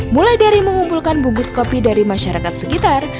mulai dari mengumpulkan bungkus kopi dari masyarakat sekitar